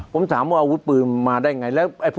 ผมถามว่าเอาอาวุฒิปลือมาได้ไง